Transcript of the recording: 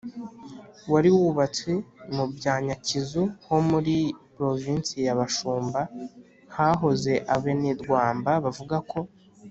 wari wubatse mu bya nyakizu ho muri provinsi ya bashumba. hahoze abenerwamba bavuga ko